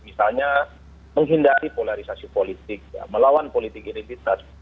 misalnya menghindari polarisasi politik melawan politik identitas